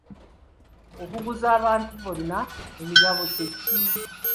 Okuguza abantu bonna emigabo kye ki?